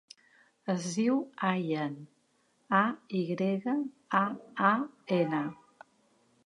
Es diu Ayaan: a, i grega, a, a, ena.